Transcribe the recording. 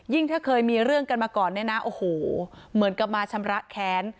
ถ้าเคยมีเรื่องกันมาก่อนเนี่ยนะโอ้โหเหมือนกับมาชำระแค้น